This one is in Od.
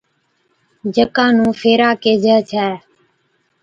جڪا نُون ڦيرا ڪيهجَي ڇَي